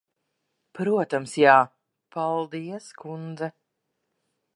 Protams, jā. Paldies, kundze.